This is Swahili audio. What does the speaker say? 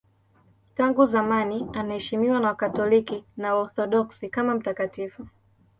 Tangu zamani anaheshimiwa na Wakatoliki na Waorthodoksi kama mtakatifu.